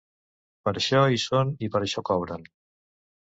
Per això hi són i per això cobren.